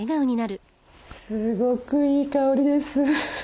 すごくいい香りです。